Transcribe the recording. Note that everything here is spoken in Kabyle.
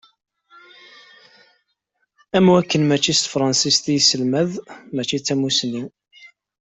Am wakken ma mačči s tefransist i yesselmad mačči d tamussni.